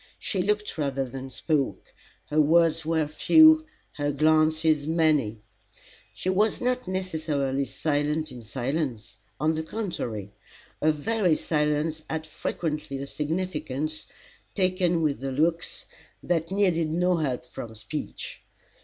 She looked rather than spoke. Her words were few, her glances many. She was not necessarily silent in silence. On the contrary, her very silence had frequently a significance, taken with her looks, that needed no help from speech.